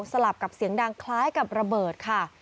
สลับกับเสียงดังคล้ายกับระเบิดค่ะ